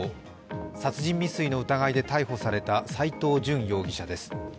殺人未遂の疑いで逮捕された斎藤淳容疑者です。